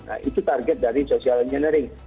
nah itu target dari social engineering